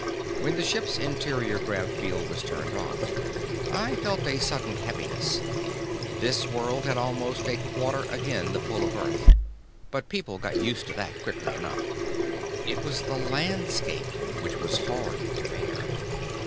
When the ship's interior grav field was turned off, I felt a sudden heaviness; this world had almost a quarter again the pull of Earth. But people got used to that quickly enough. It was the landscape which was hard to bear.